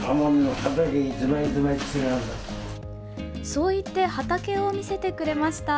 そう言って畑を見せてくれました。